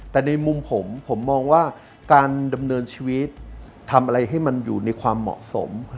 แต่ในมุมผมผมมองว่าการดำเนินชีวิตทำอะไรให้มันอยู่ในความเหมาะสม